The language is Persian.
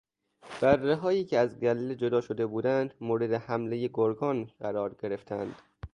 برههایی که از گله جدا شده بودند مورد حملهی گرگان قرار گرفتند.